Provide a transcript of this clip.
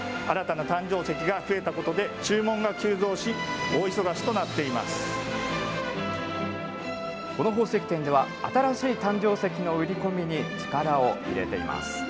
新たな誕生石が増えたことで、注文が急増し、大忙しとなっていまこの宝石店では、新しい誕生石の売り込みに力を入れています。